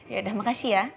yaudah makasih ya